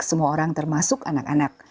semua orang termasuk anak anak